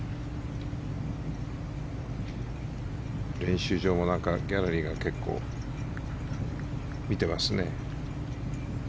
練習場もギャラリーが結構、見てますね。